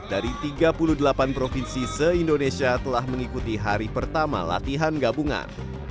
dari tiga puluh delapan provinsi se indonesia telah mengikuti hari pertama latihan gabungan